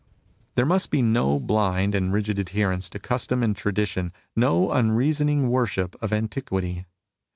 '' There must be no blind and rigid adherence to custom and tradition, no unreason ing worship of antiquity.